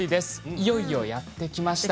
いよいよやってきました。